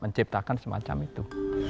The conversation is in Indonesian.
menciptakan semacam itu